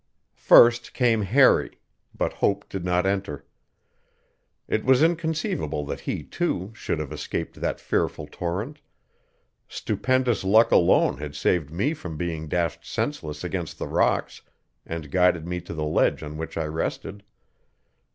First came Harry; but hope did not enter. It was inconceivable that he, too, should have escaped that fearful torrent; stupendous luck alone had saved me from being dashed senseless against the rocks and guided me to the ledge on which I rested.